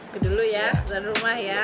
kedulu ya tuan rumah ya